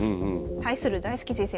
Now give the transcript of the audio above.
対する大介先生